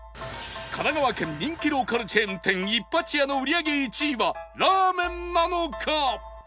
神奈川県人気ローカルチェーン店壱八家の売り上げ１位はらーめんなのか？